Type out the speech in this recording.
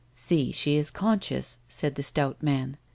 "See, she is conscious," said the stout man.